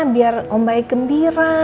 biar om baik gembira